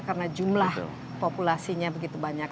karena jumlah populasinya begitu banyak